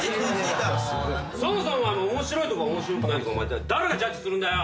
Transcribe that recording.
そもそも面白いとか面白くないとか誰がジャッジするんだよ？